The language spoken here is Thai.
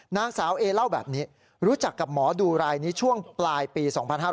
นางสาวเอเล่าแบบนี้รู้จักกับหมอดูรายนี้ช่วงปลายปี๒๕๕๙